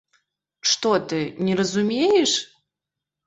Што ты, не разумееш?